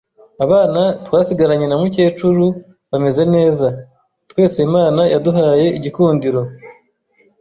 Abana twasigaranye na mukecuru bameze neza, twese Imana yaduhaye igikundiro.